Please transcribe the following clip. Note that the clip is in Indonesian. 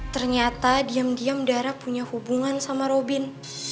ternyata diam diam darah punya hubungan sama robin